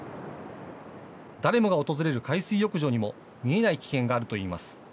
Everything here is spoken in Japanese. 誰もが訪れる海水浴場にも見えない危険があるといいます。